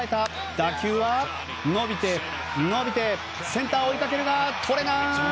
打球は伸びて、伸びてセンター追いかけるがとれない！